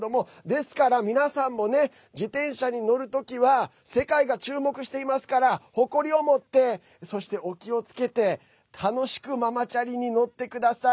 なので、皆さんも自転車に乗る時は世界が注目してますから誇りを持って、お気をつけて楽しくママチャリに乗ってください。